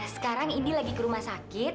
sekarang ini lagi ke rumah sakit